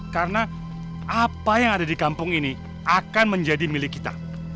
karena apa yang ada di kampung ini akan menjadi milik kita